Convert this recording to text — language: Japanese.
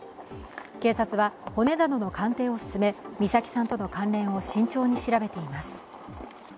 警察は、骨などの鑑定を進め、美咲さんとの関連を慎重に調べています。